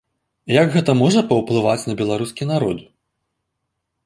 Як гэта можа паўплываць на беларускі народ?